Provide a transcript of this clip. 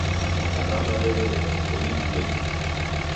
Naghamba w'elee, chonyi andenyi!